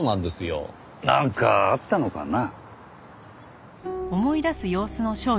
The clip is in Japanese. なんかあったのかな？